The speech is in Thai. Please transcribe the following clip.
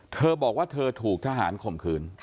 เธอบอกว่าเธอถูกทหารข่มขืน